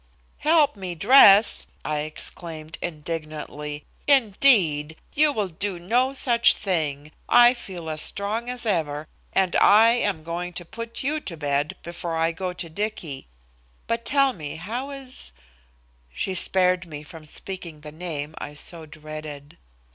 "Help me dress!" I exclaimed indignantly. "Indeed, you will do no such thing. I feel as strong as ever, and I am going to put you to bed before I go to Dicky. But tell me, how is " She spared me from speaking the name I so dreaded.